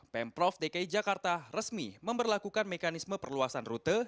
pemprov dki jakarta resmi memperlakukan mekanisme perluasan rute